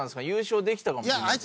優勝できたかも？